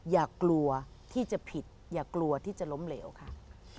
อย่ากลัวที่จะผิดอย่ากลัวที่จะล้มเหลวค่ะ